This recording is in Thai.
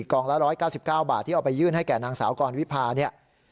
กองละ๑๙๙บาทที่เอาไปยื่นให้แก่นางสาวกรวิพาเนี่ย